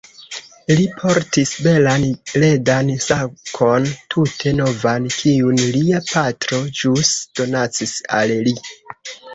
Li portis belan ledan sakon, tute novan, kiun lia patro ĵus donacis al li.